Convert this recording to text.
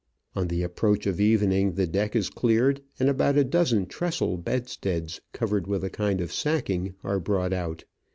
On the approach of evening the deck is cleared, and about a dozen trestle bedsteads, covered with a kind of sacking, are brought out.